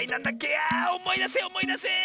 あおもいだせおもいだせ！